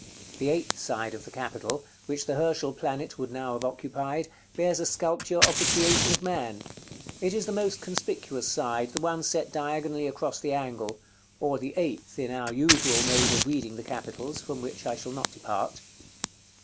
The eighth side of the capital, which the Herschel planet would now have occupied, bears a sculpture of the Creation of Man: it is the most conspicuous side, the one set diagonally across the angle; or the eighth in our usual mode of reading the capitals, from which I shall not depart.